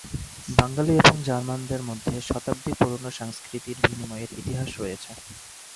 বাঙ্গালী এবং জার্মানদের মধ্যে শতাব্দী পুরনো সাংস্কৃতিক বিনিময়ের ইতিহাস রয়েছে।